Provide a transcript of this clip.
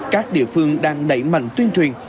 các địa phương đang đẩy mạnh tuyên truyền